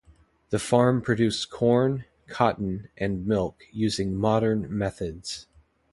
The farm produced corn, cotton, and milk using "modern" methods.